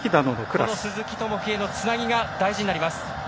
この鈴木朋樹へのつなぎが大事になります。